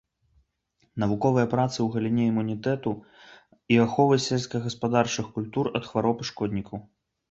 Навуковыя працы ў галіне імунітэту і аховы сельскагаспадарчых культур ад хвароб і шкоднікаў.